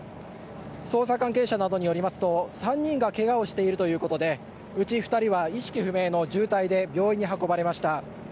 捜査関係者などによりますと３人が怪我をしているということでうち２人は意識不明の重体で病院に運ばれました。